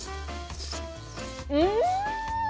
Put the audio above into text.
うん！